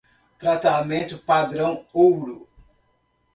Tratamento padrão-ouro